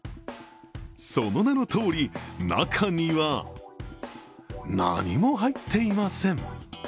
その名のとおり、中には何も入っていません。